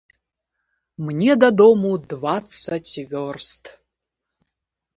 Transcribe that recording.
Мне дадому дваццаць вёрст.